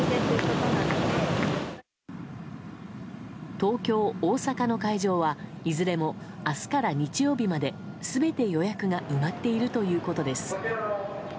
東京、大阪の会場はいずれも明日から日曜日まで全て予約が埋まっているということです。